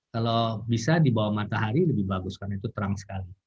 kalau bisa di bawah matahari lebih bagus karena itu terang sekali